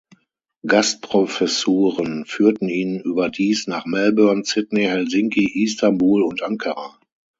Gastprofessuren führten ihn überdies nach Melbourne, Sydney, Helsinki, Istanbul und Ankara.